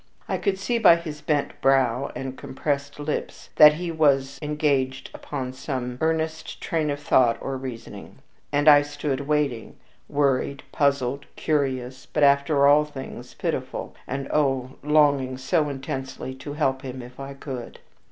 I could see by his bent brow and compressed lips that he was engaged upon some earnest train of thought or reasoning, and I stood waiting worried, puzzled, curious, but above all things, pitiful, and oh! longing so intensely to help him if I could.